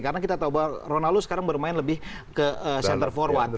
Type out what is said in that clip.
karena kita tahu bahwa ronaldo sekarang bermain lebih ke center forward